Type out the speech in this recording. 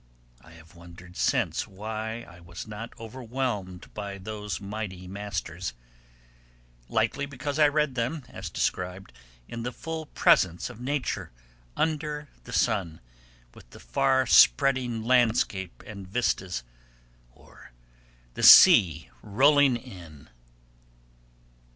(I have wonder'd since why I was not overwhelmed by those mighty masters. Likely because I read them, as described, in the full presence of Nature, under the sun, with the far spreading landscape and vistas, or the sea rolling in.)